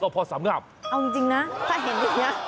โอ้โฮเอาจริงนะถ้าเห็นอย่างนี้นะ